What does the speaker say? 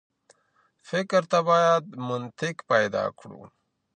فکر ته بايد منطق پيدا کړو.